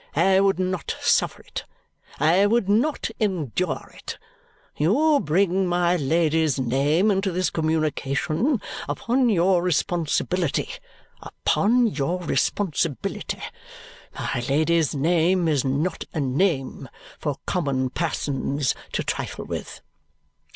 I would not suffer it. I would not endure it. You bring my Lady's name into this communication upon your responsibility upon your responsibility. My Lady's name is not a name for common persons to trifle with!"